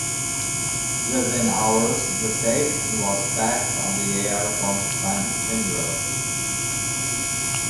Within hours, the station was back on the air from Shindler.